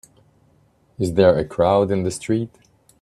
Is there a crowd in the street?